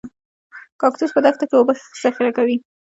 کاکتوس په دښته کې اوبه ذخیره کوي